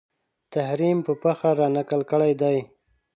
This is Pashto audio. تحریم په فخر رانقل کړی دی